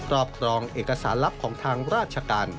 รอบครองเอกสารลับของทางราชการ